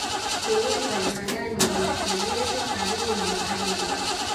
shughuli za viwandani zilisogezwa karibu na makazi ya watu